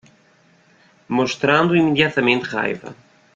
Mostrando imediatamente raiva